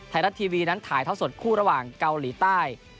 ไทยรัฐทีวีนั้นถ่ายเท่าสดคู่ระหว่างเกาหลีใต้